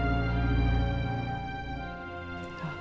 aku masih pengen di sini beberapa hari